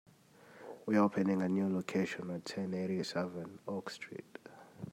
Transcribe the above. We are opening the a new location at ten eighty-seven Oak Street.